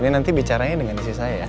ini nanti bicaranya dengan istri saya ya